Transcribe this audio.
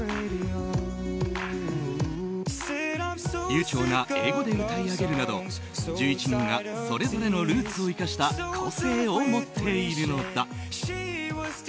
流ちょうな英語で歌い上げるなど１１人がそれぞれのルーツを生かした個性を持っているのだ。